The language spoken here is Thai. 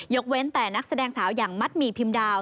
เว้นแต่นักแสดงสาวอย่างมัดหมี่พิมดาว